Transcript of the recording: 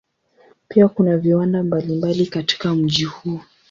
Pia kuna viwanda mbalimbali katika mji huo.